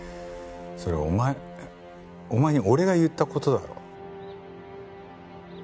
それお前お前に俺が言った事だろ？